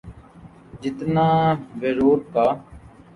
جتنا بیروت کا۔